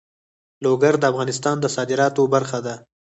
لوگر د افغانستان د صادراتو برخه ده.